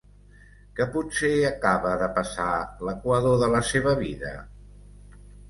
¿Que potser acaba de passar l'equador de la seva vida?